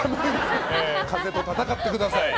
風と戦ってください。